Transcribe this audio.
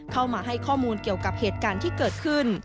เข้ามาให้ข้อมูลเกี่ยวกับเหตุการณ์ที่เกิดขึ้น